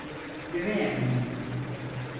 Üvey annem.